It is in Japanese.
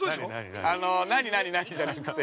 あの、何何、何じゃなくて。